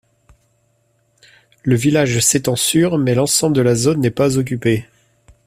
Le village s'étend sur mais l'ensemble de la zone n'est pas occupé.